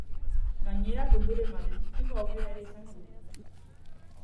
Gainera, kanturen bat entzuteko aukera ere izango dugu.